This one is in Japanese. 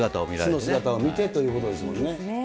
素の姿を見てということです